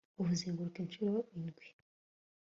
bawuzenguruka incuro ndwi